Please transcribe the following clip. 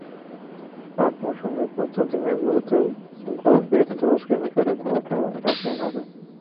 প্রাক-মৌসুম প্রস্তুতি ম্যাচগুলোতেও গোল পেয়েছেন তুরস্কের মিডফিল্ডার, ধারাটা ধরে রাখলেন আজও।